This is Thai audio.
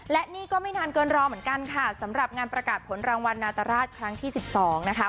และนี่ก็ไม่นานเกินรอเหมือนกันค่ะสำหรับงานประกาศผลรางวัลนาตราชครั้งที่๑๒นะคะ